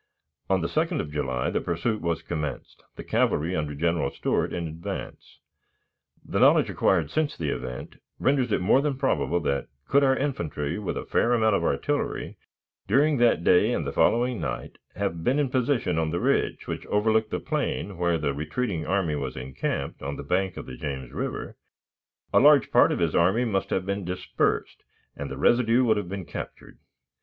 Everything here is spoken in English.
On the 2d of July the pursuit was commenced, the cavalry under General Stuart in advance. The knowledge acquired since the event renders it more than probable that, could our infantry, with a fair amount of artillery, during that day and the following night, have been in position on the ridge which overlooked the plain where the retreating enemy was encamped on the bank of the James River, a large part of his army must have dispersed, and the residue would have been captured.